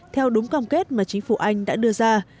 theo đúng cam kết mà chính phủ anh đã đưa ra